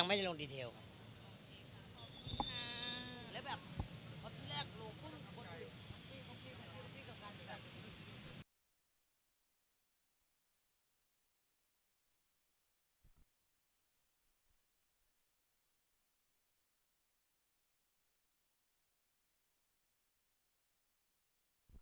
ยังไม่ได้ลงดีเทลครับ